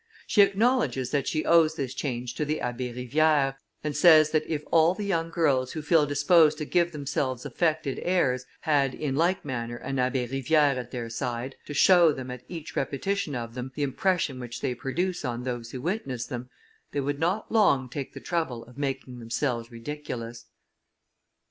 She acknowledges that she owes this change to the Abbé Rivière, and says, that if all the young girls who feel disposed to give themselves affected airs, had, in like manner, an Abbé Rivière at their side, to show them, at each repetition of them, the impression which they produce on those who witness them, they would not long take the trouble of making themselves ridiculous.